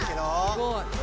すごい！